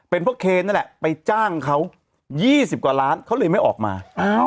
เป็นพวกเคนนั่นแหละไปจ้างเขา๒๐กว่าล้านเขาเลยไม่ออกมา